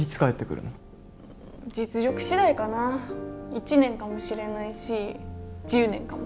１年かもしれないし１０年かも。